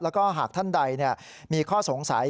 แล้วก็หากท่านใดมีข้อสงสัย